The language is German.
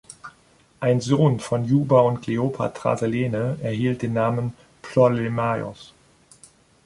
Ein Sohn von Juba und Kleopatra Selene erhielt den Namen Ptolemaios.